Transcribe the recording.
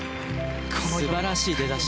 素晴らしい出だし。